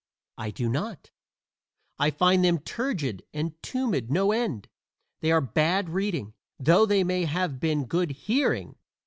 I do not: I find them turgid and tumid no end. They are bad reading, though they may have been good hearing.